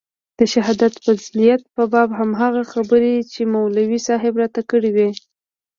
د شهادت د فضيلت په باب هماغه خبرې چې مولوي صاحب راته کړې وې.